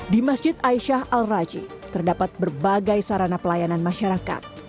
di masjid aisyah al raji terdapat berbagai sarana pelayanan masyarakat